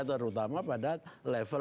terutama pada level